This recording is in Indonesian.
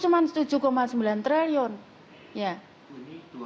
sebenarnya dua kali terakhir ini pak hamzul akan berterangan yang berbeda